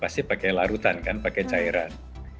pasti pakai larutan kan pakai cairan